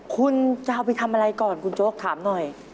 คุณจะเอาไปทำอะไรก่อนคุณโจ๊กถามหน่อย